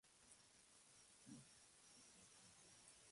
El príncipe fue nombrado en honor al rey Tomislav, el Rey de Croacia medieval.